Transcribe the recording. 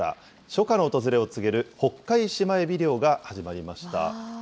初夏の訪れを告げる、ホッカイシマエビ漁が始まりました。